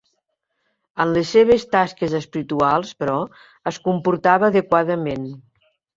En les seves tasques espirituals però, es comportava adequadament.